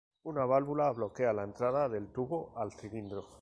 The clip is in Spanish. Una válvula bloquea la entrada del tubo al cilindro.